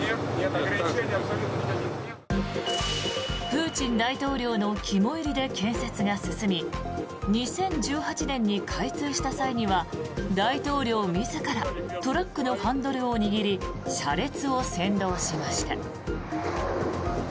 プーチン大統領の肝煎りで建設が進み２０１８年に開通した際には大統領自らトラックのハンドルを握り車列を先導しました。